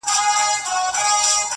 نه یې له تیارې نه له رڼا سره!